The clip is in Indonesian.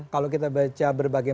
kalau kita baca berbagai